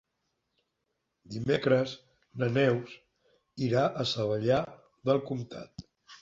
Dimecres na Neus irà a Savallà del Comtat.